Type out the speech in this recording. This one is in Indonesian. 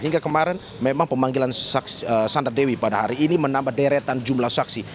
hingga kemarin memang pemanggilan sandar dewi pada hari ini menambah deretan jumlah saksi